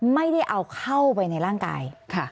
ไม่ได้เอาเข้าไปในร่างกาย